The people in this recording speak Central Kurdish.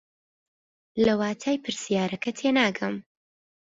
لە واتای پرسیارەکە تێناگەم.